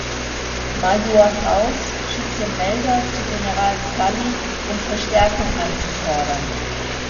Major House schickte Melder zu General Sully, um Verstärkung anzufordern.